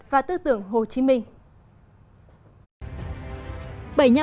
và tư tưởng hồ chí minh